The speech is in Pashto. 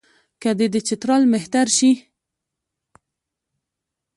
که دی د چترال مهتر شي.